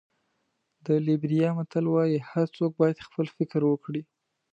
د لېبریا متل وایي هر څوک باید خپل فکر وکړي.